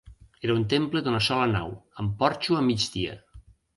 Era un temple d'una sola nau, amb porxo a migdia.